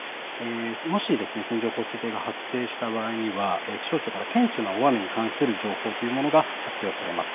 もし線状降水帯が発生した場合には気象庁から顕著な大雨に関する情報というものが発表されます。